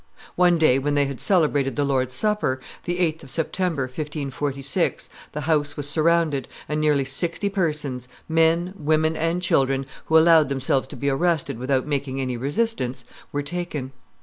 One day when they had celebrated the Lord's Supper, the 8th of September, 1546, the house was surrounded, and nearly sixty persons, men, women, and children, who allowed themselves to be arrested without making any resistance, were taken.